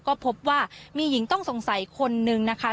ก็พบว่ามีหญิงต้องสงสัยคนนึงนะคะ